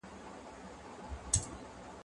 زه به اوږده موده کالي وچولي وم؟!